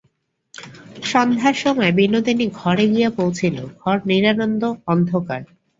সন্ধ্যার সময় বিনোদিনী ঘরে গিয়া পৌঁছিল–ঘর নিরানন্দ অন্ধকার।